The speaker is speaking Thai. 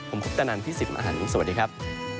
ผมคุกตะนันท์พี่สิบอาหารนี้สวัสดีครับ